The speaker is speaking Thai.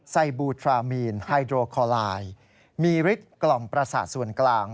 ๑ไซบูทรามีนมีฤทธิ์กล่อมประสาทส่วนกลาง